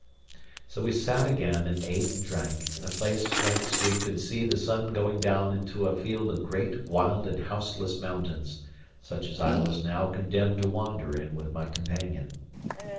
So we sat again and ate and drank, in a place whence we could see the sun going down into a field of great, wild, and houseless mountains, such as I was now condemned to wander in with my companion.